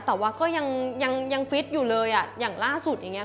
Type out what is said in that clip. แต่ว่าก็ยังฟิตอยู่เลยอ่ะอย่างล่าสุดอย่างนี้